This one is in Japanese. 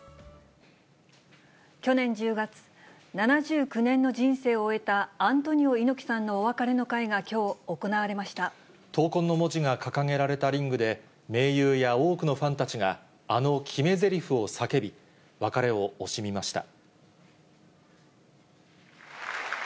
去年１０月、７９年の人生を終えたアントニオ猪木さんのお別れの会がきょう、闘魂の文字が掲げられたリングで、盟友や多くのファンたちが、あの決めぜりふを叫び、別れを惜しみました。